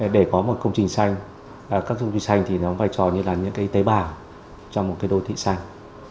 để có một công trình xanh các công trình xanh vai trò như là những tế bào trong một đồ thị xanh